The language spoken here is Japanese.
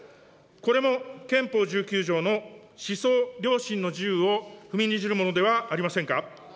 これも憲法１９条の思想・良心の自由を踏みにじるものではありませんか。